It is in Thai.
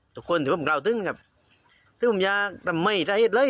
ทุกคนชุดเวลาถึงครับถึงอย่างทำไมได้เห็นเลย